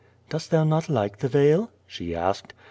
"Dost thou not like the veil?" she asked.